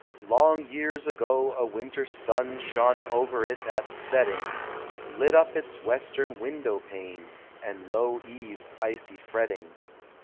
Long years ago a winter sun Shone over it at setting; Lit up its western window panes, And low eaves' icy fretting.